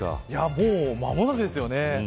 もう間もなくですよね。